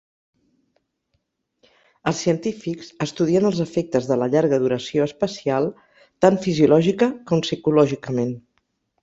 Els científics estudien els efectes de la llarga duració espacial, tan fisiològica com psicològicament.